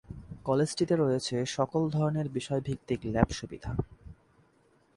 কলেজটিতে রয়েছে সকল ধরনের বিষয় ভিত্তিক ল্যাব সুবিধা।